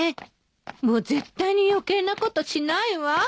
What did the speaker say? もう絶対に余計なことしないわ